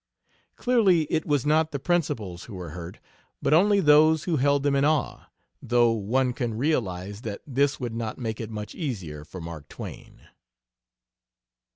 Clearly, it was not the principals who were hurt, but only those who held them in awe, though one can realize that this would not make it much easier for Mark Twain.